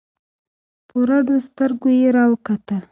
په رډو سترگو يې راوکتل.